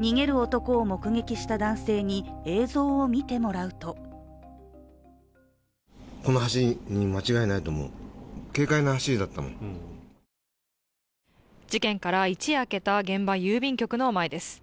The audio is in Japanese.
逃げる男を目撃した男性に映像を見てもらうと事件から一夜明けた現場郵便局の前です。